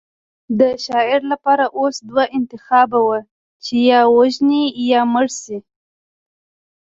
د شاعر لپاره اوس دوه انتخابه وو چې یا ووژني یا مړ شي